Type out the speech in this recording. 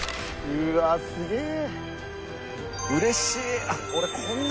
うわすげえ。